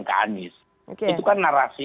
ke anies itu kan narasi